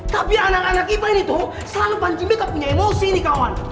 tapi anak anak kita ini tuh selalu pancasila punya emosi nih kawan